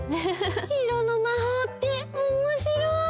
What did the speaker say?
いろのまほうっておもしろい！